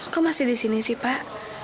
kok masih di sini sih pak